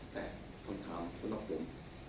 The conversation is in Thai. แต่คำถามสำหรับผม